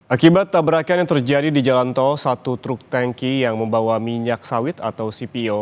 akibat tabrakan yang terjadi di jalan tol satu truk tanki yang membawa minyak sawit atau cpo